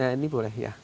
ini boleh ya